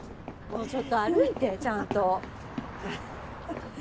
ちょっと歩いてちゃんと。